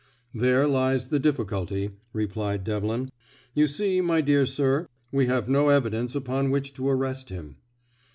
"There lies the difficulty," replied Devlin. "You see my dear sir, we have no evidence upon which to arrest him."